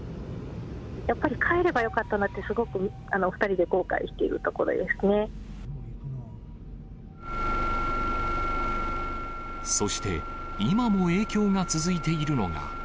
やっぱり帰ればよかったなって、すごく２人で後悔しているとそして、今も影響が続いているのが。